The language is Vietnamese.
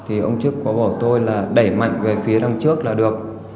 thì ông chức có bảo tôi là đẩy mạnh về phía đằng trước là được